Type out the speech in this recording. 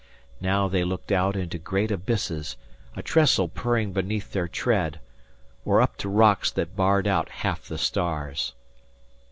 Now they looked out into great abysses, a trestle purring beneath their tread, or up to rocks that barred out half the stars.